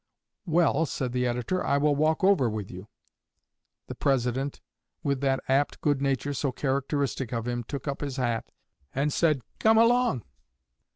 "Well," said the editor, "I will walk over with you." The President, with that apt good nature so characteristic of him, took up his hat and said, "Come along."